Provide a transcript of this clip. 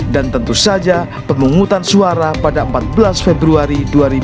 dan tentu saja pemungutan suara pada empat belas februari dua ribu dua puluh empat